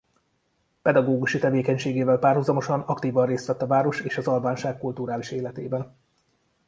Pedagógusi tevékenységével párhuzamosan aktívan részt vett a város és az albánság kulturális életében.